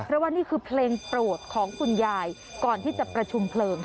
เพราะว่านี่คือเพลงโปรดของคุณยายก่อนที่จะประชุมเพลิง